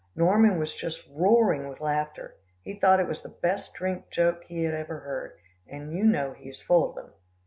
Norman was just roaring with laughter. He thought it was the best drink joke he ever heard, and you know he is full of them.